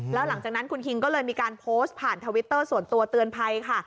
แล้วหลังจากนั้นคุณคิงก็เลยมีการโพสต์ผ่านทวิตเตอร์ส่วนตัวเตือนภัยค่ะ